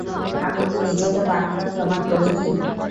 আমি কি নিজেকে বারংবার প্রমাণ করিনি?